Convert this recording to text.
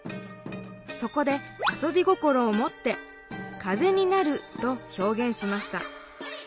そこであそび心を持って「風になる」とひょうげんしました。